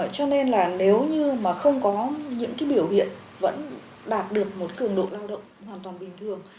cho nên là nếu như mà không có những cái biểu hiện vẫn đạt được một cường độ lao động hoàn toàn bình thường